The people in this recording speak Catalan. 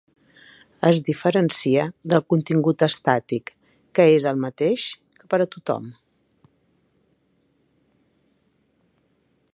Es diferencia del contingut estàtic, que és el mateix per a tothom.